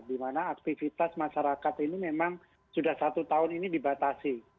di mana aktivitas masyarakat ini memang sudah satu tahun ini dibatasi